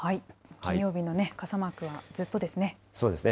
金曜日の傘マークはずっとですね。